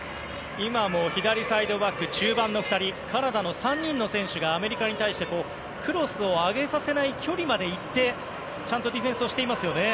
今も左サイドバック中盤の２人カナダの３人の選手がアメリカに対してクロスを上げさせない距離までいってちゃんとディフェンスをしていますよね。